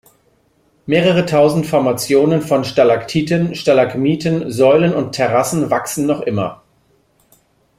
Mehrere tausend Formationen von Stalaktiten, Stalagmiten, Säulen und Terrassen wachsen noch immer.